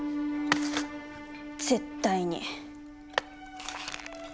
絶対に！